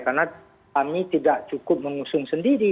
karena kami tidak cukup mengusung sendiri